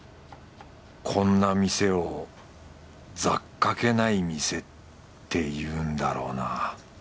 こんな店をざっかけない店っていうんだろうな